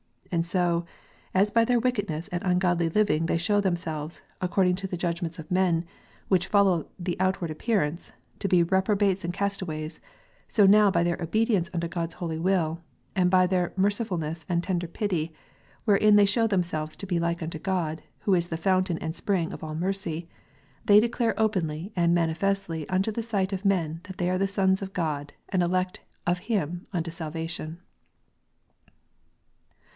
And so, as by their wickedness and ungodly living they showed themselves, according to the 150 KNOTS UNTIED. judgment of men, which follow the outward appearance, to be reprobates and castaways, so now by their obedience unto God s holy will, and by their mercifulness and tender pity, wherein they show themselves to be like unto God, who is the Fountain and Spring of all mercy, they declare openly and manifestly unto the sight of men that they are the sons of God, and elect of Him unto salvation."